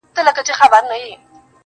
بگوت گيتا د هندوانو مذهبي کتاب~